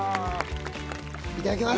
いただきます！